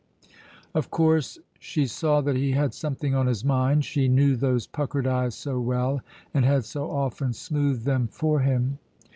Of course she saw that he had something on his mind. She knew those puckered eyes so well, and had so often smoothed them for him.